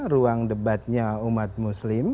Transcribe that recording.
ruang debatnya umat muslim